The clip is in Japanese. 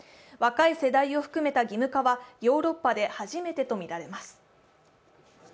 若い世代を含めた義務化はヨーロッパで初めてとみられます。